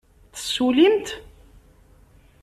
Tessullimt?